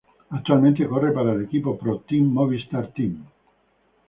Actualmente corre para el equipo ProTeam Movistar Team.